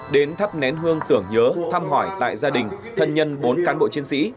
đến thắp nén hương tưởng nhớ thăm hỏi tại gia đình thân nhân bốn cán bộ chiến sĩ